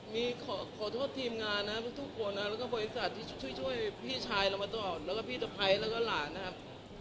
มีขอโทษทีมงานนะครับทุกคนนะแล้วก็บริษัทที่ช่วยพี่ชายเรามาตลอดแล้วก็พี่สะพ้ายแล้วก็หลานนะครับ